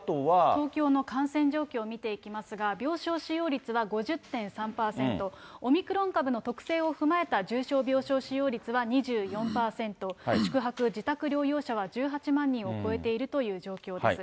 東京の感染状況を見ていきますが、病床使用率は５０．３％、オミクロン株の特性を踏まえた重症病床使用率は２４％、宿泊・自宅療養者は１８万人を超えているという状況です。